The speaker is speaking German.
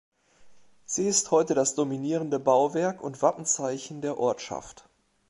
Sie ist heute das dominierende Bauwerk und Wappenzeichen der Ortschaft.